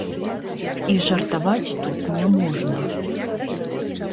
І жартаваць тут не можна.